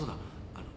あの。